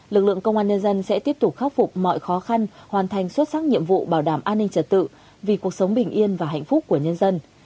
lực lượng công an nhân dân sẽ tiếp tục khắc phục mọi khó khăn hoàn thành xuất sắc nhiệm vụ bảo đảm an ninh trật tự vì cuộc sống bình yên và hạnh phúc của nhân dân